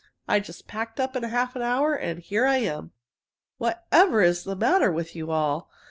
I just packed up in half an hour, and here I am. Whatever is the matter with you all?